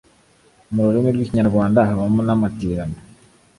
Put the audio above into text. mu rurimi rw’Ikinyarwanda habamo namatirano